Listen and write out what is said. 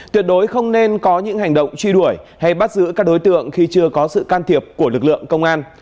tuyệt đối không nên có những hành động truy đuổi hay bắt giữ các đối tượng khi chưa có sự can thiệp của lực lượng công an